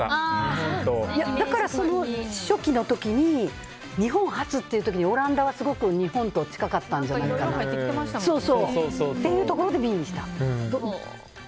だから、初期の時に日本初っていう時にオランダはすごく日本と近かったんじゃないかな。というところでＢにした。